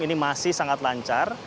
ini masih sangat lancar